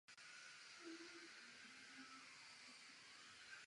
Album bylo vydáno u Geffen Records.